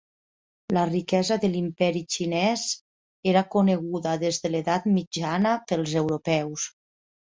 La riquesa de l'Imperi Xinès era coneguda, des de l'Edat Mitjana, pels europeus.